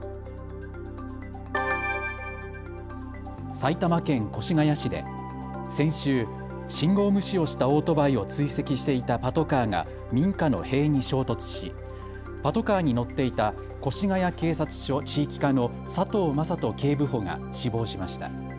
埼玉県越谷市で先週、信号無視をしたオートバイを追跡していたパトカーが民家の塀に衝突し、パトカーに乗っていた越谷警察署地域課の佐藤正人警部補が死亡しました。